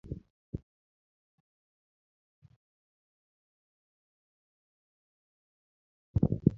Kamano japuonj, kidok kor insha, moko modong' to alony godo.